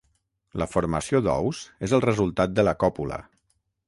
La formació d'ous és el resultat de la còpula.